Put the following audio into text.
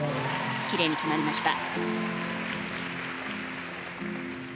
きれいに決まりました。